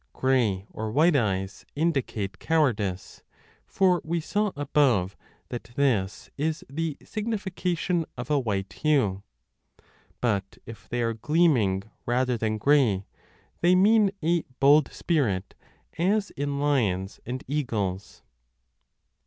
Grey or white eyes indicate cowardice, for we saw above that this is the signification of a white hue : but 5 if they arc gleaming rather than grey, they mean a bold spirit, as in lions and eagles.